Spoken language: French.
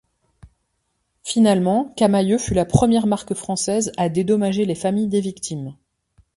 Finalement, Camaïeu fut la première marque française à dédommager les familles des victimes.